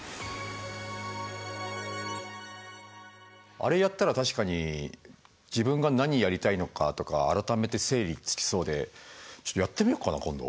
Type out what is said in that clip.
あれやったら確かに自分が何やりたいのかとか改めて整理つきそうでちょっとやってみよっかな今度。